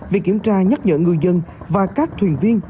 việc kiểm tra nhắc nhở ngư dân và các thuyền viên